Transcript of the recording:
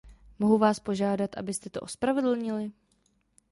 Mohu vás požádat, abyste to ospravedlnili?